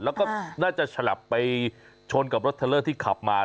แล้วก็น่าจะฉลับไปชนกับรถเทลเลอร์ที่ขับมา